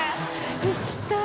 行きたい。